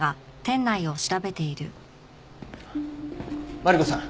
マリコさん